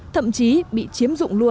thậm chí bị chiếm dụng